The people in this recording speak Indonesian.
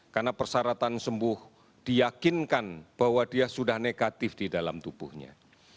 karena persyaratan sembuh diakinkan bahwa dia sudah negatif di dalam tubuhnya